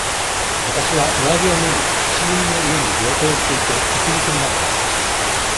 私は、上着を脱ぎ、石組みの上に両手をついて、うつ伏せになった。